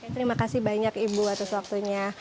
terima kasih banyak ibu atas waktunya